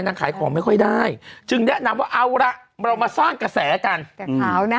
ขายของไม่ค่อยได้จึงแนะนำว่าเอาละเรามาสร้างกระแสกันแต่ขาวนะ